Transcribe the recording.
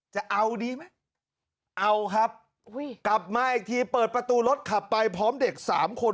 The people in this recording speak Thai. จะเอาดีไหมเอาครับกลับมาอีกทีเปิดประตูรถขับไปพร้อมเด็กสามคน